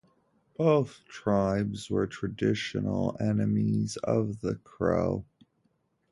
Both tribes were traditional enemies of the Crow.